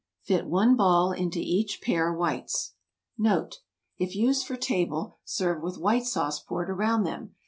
Fit one ball into each pair whites. NOTE. If used for table, serve with White Sauce poured around them.